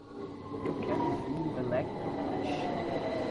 Eu quero ouvir o Electroclash